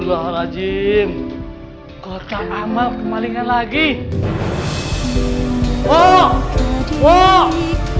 bunda itu kan cahaya banget sama kamu